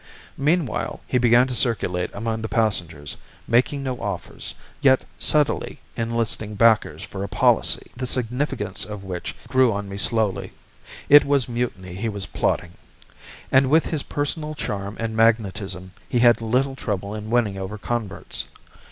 Meanwhile he began to circulate among the passengers, making no offers, yet subtly enlisting backers for a policy, the significance of which grew on me slowly. It was mutiny he was plotting! And with his personal charm and magnetism he had little trouble in winning over converts.